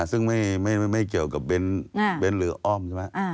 ซึ่งไม่เกี่ยวกับเบ้นหรืออ้อมใช่ไหม